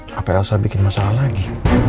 sampai rasa bikin masalah lagi